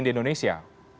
jadi dengan adanya